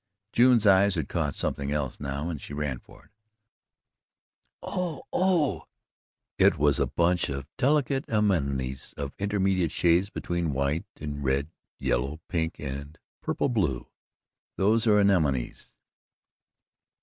June's eyes had caught something else now and she ran for it: "Oh! Oh!" It was a bunch of delicate anemones of intermediate shades between white and red yellow, pink and purple blue. "Those are anemones."